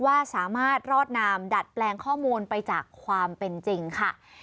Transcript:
ว่าสามารถรอดนามดัดแปลงข้อมูลไปจากความเป็นจริงค่ะ